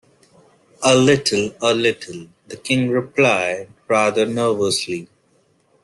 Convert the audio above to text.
‘A little—a little,’ the King replied, rather nervously.